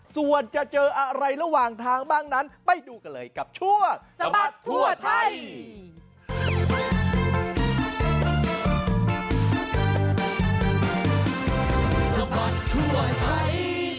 ส่วนจะเจออะไรระหว่างทางบ้างนั้นไปดูกันเลยกับชั่วสะบัดทั่วไทย